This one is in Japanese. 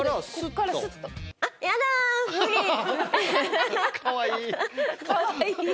かわいい！